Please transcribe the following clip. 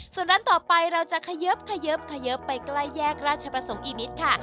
ส่วนร้านต่อไปเราจะเขยับไปใกล้แยกราชประสงค์อินิษฐ์ค่ะ